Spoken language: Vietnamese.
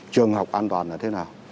trường học an toàn là thế nào